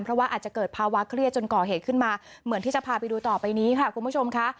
เพราะว่าอาจจะเกิดภาวะเครียดจนก่อเหตุขึ้นมาเหมือนที่จะพาไปดูต่อไปนี้ค่ะคุณผู้ชมค่ะ